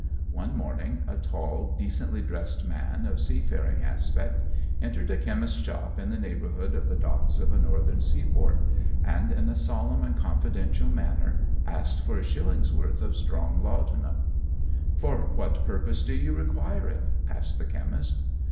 One morning a tall, decently dressed man, of seafaring aspect, entered a chemist's shop in the neighbourhood of the docks of a northern seaport, and in a solemn and confidential manner asked for a shilling's worth of strong laudanum. "For what purpose do you require it?" asked the chemist.